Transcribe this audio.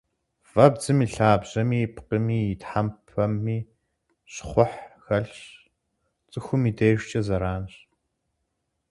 Вэбдзым и лъабжьэми, и пкъыми, и тхьэмпэми щхъухь хэлъщ, цӏыхум и дежкӏэ зэранщ.